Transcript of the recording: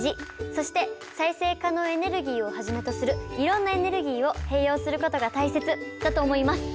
そして再生可能エネルギーをはじめとするいろんなエネルギーを併用することが大切だと思います。